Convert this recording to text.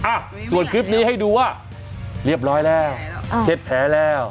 อ่ะส่วนคลิปนี้ให้ดูว่าเรียบร้อยแล้วเช็ดแผลแล้ว